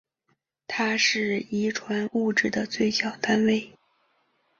它是遗传物质的最小单位。